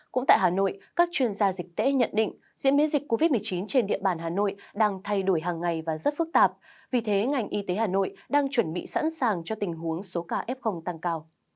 cũng tại hà nội các chuyên gia dịch tễ nhận định diễn biến dịch covid một mươi chín trên địa bàn hà nội đang thay đổi hàng ngày và rất phức tạp vì thế ngành y tế hà nội đang chuẩn bị sẵn sàng cho tình huống số ca f tăng cao